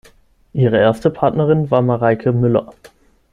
Ihre erste Partnerin war Mareike Müller.